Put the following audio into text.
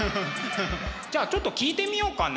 じゃあちょっと聞いてみようかな。